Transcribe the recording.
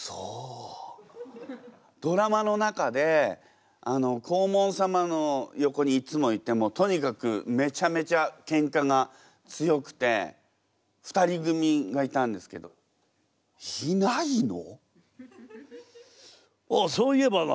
ドラマの中で黄門様の横にいつもいてとにかくめちゃめちゃケンカが強くて２人組がいたんですけどいないの？